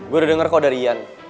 gue udah denger kok dari ian